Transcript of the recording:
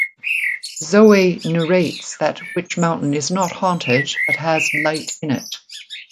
Zoe narrates that Witch Mountain is not haunted but has light in it.